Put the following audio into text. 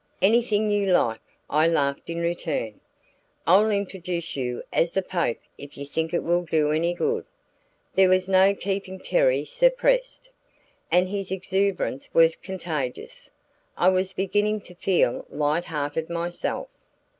"Anything you like," I laughed in return. "I'll introduce you as the Pope if you think it will do any good." There was no keeping Terry suppressed, and his exuberance was contagious. I was beginning to feel light hearted myself.